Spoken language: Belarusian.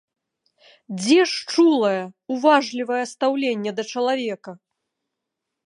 Дзе ж чулае, уважлівае стаўленне да чалавека?